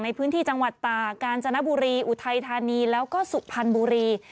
ในพื้นที่จังหวัดตากาญจนบุรีอุทัยธานีแล้วก็สุพรรณบุรี